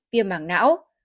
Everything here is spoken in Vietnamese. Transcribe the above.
viêm mảng não